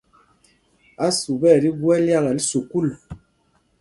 Ásup ɛ tí gú ɛ́lyákɛl sukûl.